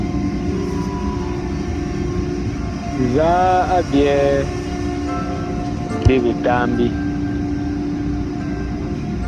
Nzaa a byɛ bi bitambi ?